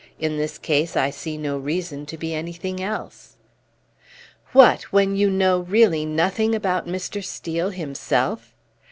"In this case I see no reason to be anything else." "What when you know really nothing about Mr. Steel himself?"